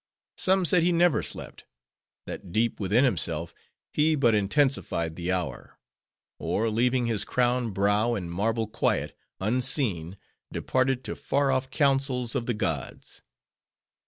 Some said he never slept; that deep within himself he but intensified the hour; or, leaving his crowned brow in marble quiet, unseen, departed to far off councils of the gods.